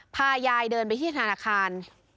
พายายเดินไปที่ธนาคาร